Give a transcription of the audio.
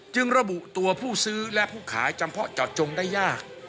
จึงระบุตัวผู้ซื้อและผู้ขายจำเพาะเจาะจงได้ยาก